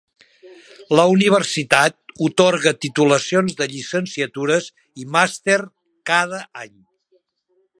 La universitat atorga titulacions de llicenciatures i màster cada any.